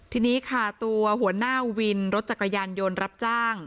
ทีนี้ค่ะตัวหัวหน้าวินรถจักรยานยนต์รับจ้าง